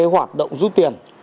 hoạt động rút tiền